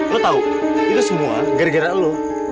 lo tahu itu semua gara gara lo